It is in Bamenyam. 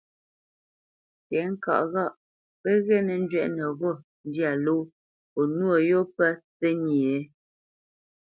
Tɛ̌ŋka ghâʼ pə́ ghê nə́ njwɛ́ʼnə ghô ndyâ ló o nwô yô pə́ tsə́nyê?